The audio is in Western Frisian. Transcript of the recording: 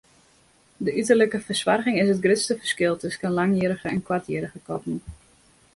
De uterlike fersoarging is it grutste ferskil tusken langhierrige en koarthierrige katten.